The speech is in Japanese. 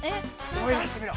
思い出してみろ。